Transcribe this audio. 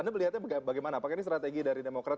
anda melihatnya bagaimana apakah ini strategi dari demokrat